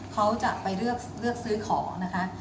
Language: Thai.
เขาจะไปเลือกซื้อของนะคะ